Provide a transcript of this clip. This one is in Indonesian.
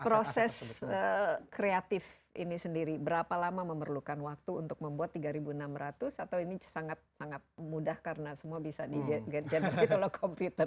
proses kreatif ini sendiri berapa lama memerlukan waktu untuk membuat tiga enam ratus atau ini sangat sangat mudah karena semua bisa di gender gitu loh komputer